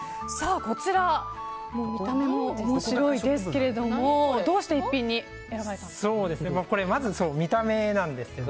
こちら、見た目も面白いですけれどもどうして逸品に選ばれたんですか？